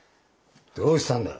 どうしたんだ！？